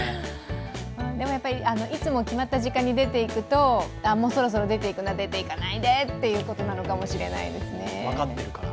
でもやっぱり、いつも決まった時間に出ていくとそろそろ出ていくな、出ていかないでってことなのかもしれないですね。